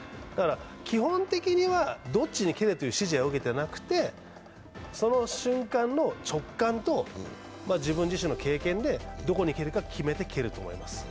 基本的にはどっちに蹴るという支持は受けていなくてその瞬間の直感と、自分自身の経験でどこに蹴るか決めて蹴ると思います。